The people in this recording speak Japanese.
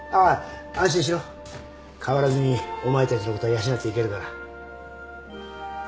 変わらずにお前たちのことは養っていけるから。